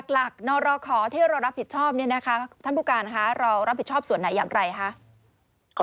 หลักนรขอที่เรารับผิดชอบเนี่ยนะคะท่านผู้การค่ะเรารับผิดชอบส่วนไหนอย่างไรคะ